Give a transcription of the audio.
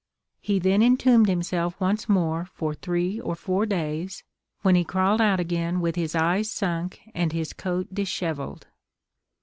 He then entombed himself once more for three or four days, when he crawled out again with his eyes sunk and his coat dishevelled.